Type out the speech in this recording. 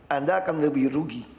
anda akan lebih rugi